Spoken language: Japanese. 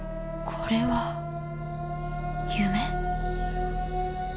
これは夢？